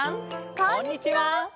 こんにちは。